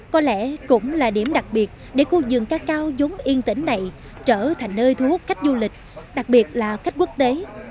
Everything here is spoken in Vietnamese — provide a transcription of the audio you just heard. có lẽ cũng là điểm đặc biệt để khu vườn cacao giống yên tĩnh này trở thành nơi thu hút khách du lịch đặc biệt là khách quốc tế